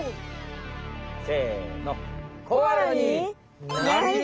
せの。